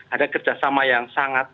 ada kerjasama yang sangat